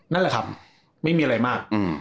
นั่นแหละครับไม่มีอะไรมาก